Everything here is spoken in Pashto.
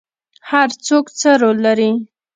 هر څوک څه رول لري؟